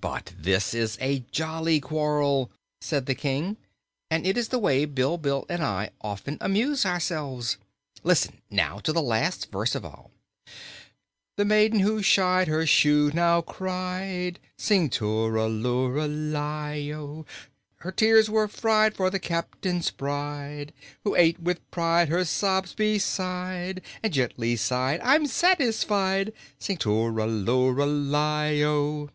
"But this is a jolly quarrel," said the King, "and it is the way Bilbil and I often amuse ourselves. Listen, now, to the last verse of all: "The maid who shied her shoe now cried Sing too ral oo ral i do! Her tears were fried for the Captain's bride Who ate with pride her sobs, beside, And gently sighed 'I'm satisfied' Sing to ral oo ral i do!"